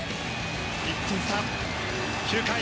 １点差９回。